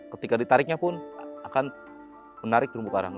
ketika ditariknya pun akan menarik terumbu karang